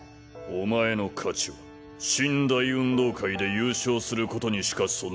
お前の価値は神・大運動会で優勝する事にしか存在しない。